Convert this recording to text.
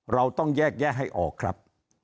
เราต้องแยกแยะให้ออกครับ